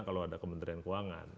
kalau ada kementerian keuangan